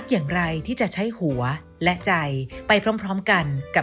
สวัสดีค่ะ